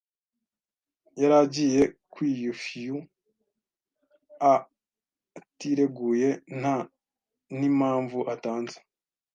Yari agiye kwiyufiu-a atireguye nta n'impamvu atanze